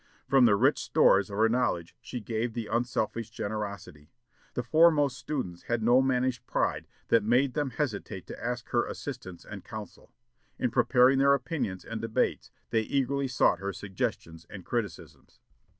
From the rich stores of her knowledge she gave with unselfish generosity. The foremost students had no mannish pride that made them hesitate to ask her assistance and counsel. In preparing their orations and debates they eagerly sought her suggestions and criticisms....